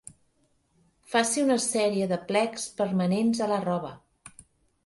Faci una sèrie de plecs permanents a la roba.